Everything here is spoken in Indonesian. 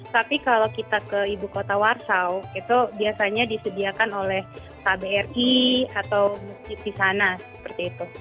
tapi kalau kita ke ibu kota warsaw itu biasanya disediakan oleh kbri atau masjid di sana seperti itu